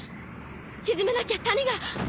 静めなきゃ谷が。